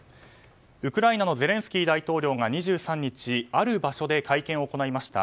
ウクライナのゼレンスキー大統領が２３日ある場所で会見を行いました。